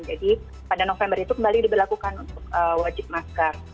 jadi pada november itu kembali di berlakukan untuk wajib masker